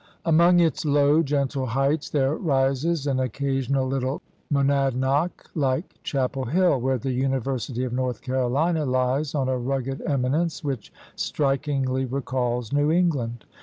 Among its low gentle heights there rises an occasional little monadnock like Chapel Hill, where the University of North Carolina lies on a rugged eminence which strikingly recalls New England.